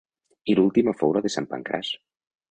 I l'última fou la de Sant Pancraç.